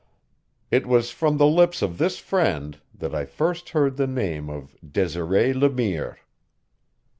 It was from the lips of this friend that I first heard the name of Desiree Le Mire.